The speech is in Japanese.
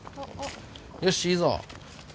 よしいいぞ。